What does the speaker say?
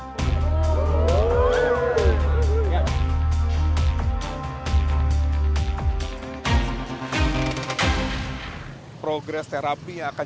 bisa di figur saluran